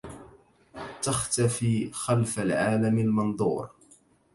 تختفى خلف العالم المنظور